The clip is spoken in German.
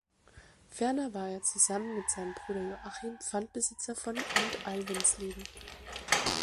Ferner war er zusammen mit seinem Bruder Joachim Pfandbesitzer von Amt Alvensleben.